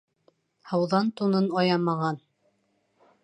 Һыуҙан тунын аямаған